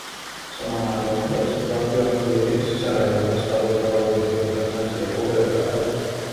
Samaan aikaan mahdollistetaan työmatkaliikenne sisärajoilla vastaavalla tavalla kuin toimitaan Länsi- ja Pohjoisrajalla.